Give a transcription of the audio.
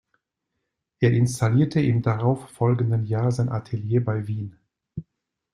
Er installierte im darauf folgenden Jahr sein Atelier bei Wien.